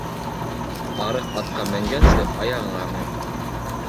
Арыҡ атҡа менгәнсе, аяғыңа мен.